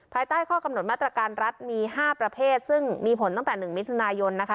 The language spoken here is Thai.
ภายใต้ข้อกำหนดมาตรการรัฐมี๕ประเภทซึ่งมีผลตั้งแต่๑มิถุนายนนะคะ